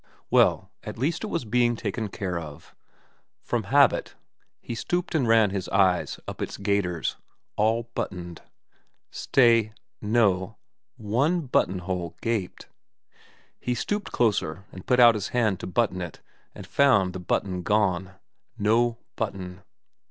Well, at least it was being taken care of. From habit he stooped and ran his eye up its gaiters. All buttoned. Stay no ; one buttonhole gaped. He stooped closer and put out his hand to button it, and found the button gone. No button.